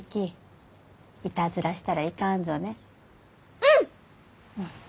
うん！